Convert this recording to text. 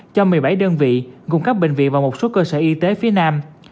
cho một mươi bảy đơn vị gồm các bệnh viện và một số cơ sở y tế phía nam